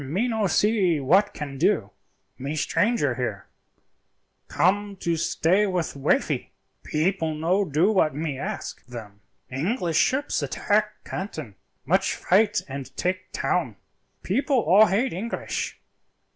"Me no see what can do, me stranger here; come to stay with wifey; people no do what me ask them. English ships attack Canton, much fight and take town, people all hate English.